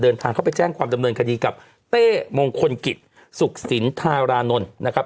เดินทางเข้าไปแจ้งความดำเนินคดีกับเต้มงคลกิจสุขสินธารานนท์นะครับ